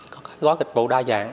có gói kịch vụ đa dạng